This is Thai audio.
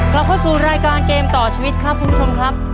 กลับเข้าสู่รายการเกมต่อชีวิตครับคุณผู้ชมครับ